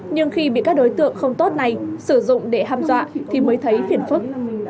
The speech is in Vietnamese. nhưng khi bị các đối tượng không tốt này sử dụng để hâm dọa thì mới thấy phiền phức